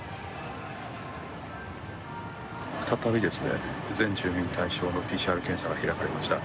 再び全住民対象のＰＣＲ検査が開かれました。